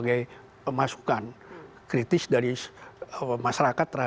ya jadi saya ingin menunjukkan di media ya saya ingin menunjukkan bahwa ini adalah pernyataan khas untuk mereka